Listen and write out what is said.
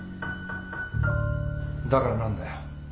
だから何だよ？